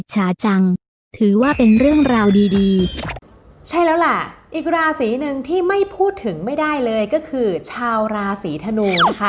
ใช่แล้วล่ะอีกราศีหนึ่งที่ไม่พูดถึงไม่ได้เลยก็คือชาวราศีธนู